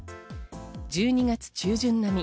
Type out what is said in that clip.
１２月中旬並み。